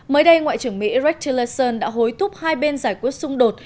mới đây ngoại trưởng mỹ rex tillerson đã hối thúc hai bên giải quyết xung đột